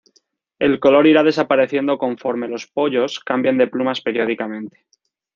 El color irá desapareciendo conforme los pollos cambien de plumas periódicamente.